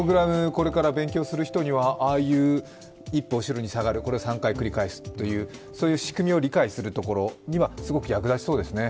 これから勉強する人には、ああいう一歩後ろに下がる、これを３回繰り返すとか、そういう仕組みを理解するところにはすごく役立ちそうですね。